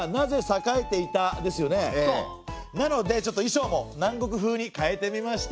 なので衣装も南国風に変えてみました！